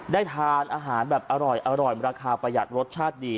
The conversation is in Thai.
ได้ทานอาหารแบบอร่อยราคาประหยัดรสชาติดี